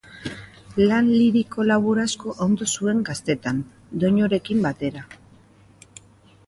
Lan liriko labur asko ondu zuen gaztetan, doinuarekin batera.